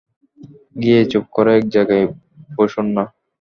গিয়ে চুপ করে এক জায়গায় বসুন না?